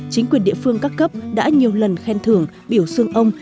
chính quyền địa phương các cấp đã nhiều lần khen thưởng biểu sương ông